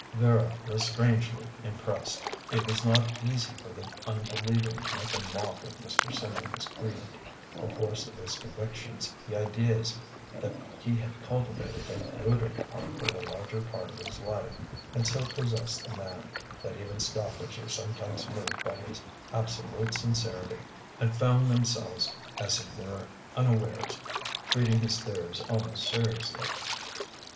'" Vera was strangely impressed. It was not easy for the unbelieving to make a mock of Mr. Symeon's creed. The force of his convictions, the ideas that he had cultivated and brooded upon for the larger part of his life, had so possessed the man, that even scoffers were sometimes moved by his absolute sincerity, and found themselves, as it were unawares, treating his theories almost seriously.